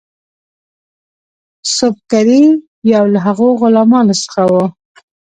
سُبکري یو له هغو غلامانو څخه وو.